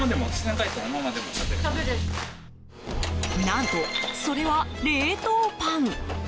何と、それは冷凍パン。